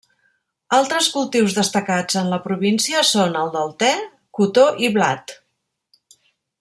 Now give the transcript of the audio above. Altres cultius destacats en la província són el del te, cotó i blat.